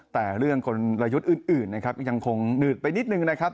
แต่เรื่องคนรายยุทธ์อื่นอื่นนะครับยังคงนืดไปนิดหนึ่งนะครับ